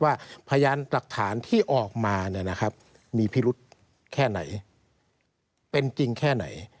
ว่าพยานหลักฐานที่ออกมาเนี่ยนะครับมีพิรุษแค่ไหนเป็นจริงแค่ไหน